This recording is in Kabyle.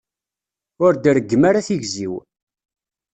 Ur d-reggem ara tigzi-w.